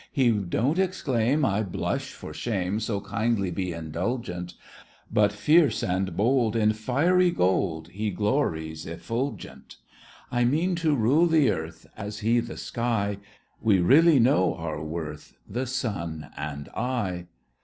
He don't exclaim, "I blush for shame, So kindly be indulgent." But, fierce and bold, In fiery gold, He glories effulgent! I mean to rule the earth, As he the sky— We really know our worth, The sun and I!